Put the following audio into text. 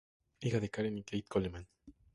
Hija de Karen y Keith Coleman.